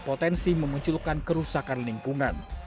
berpotensi memunculkan kerusakan lingkungan